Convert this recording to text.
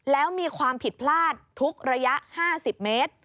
แล้วมีความผิดพลาดทุกระยะ๕๐เมตร